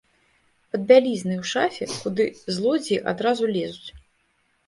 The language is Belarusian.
Пад бялізнай у шафе, куды злодзеі адразу лезуць.